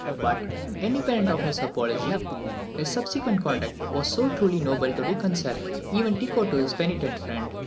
But, independent of this apology, his subsequent conduct was so truly noble as to reconcile even Tycho to his penitent friend.